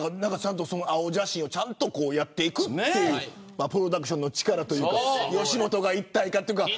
青写真をちゃんとやっていくプロダクションの力というか吉本が一体化というか。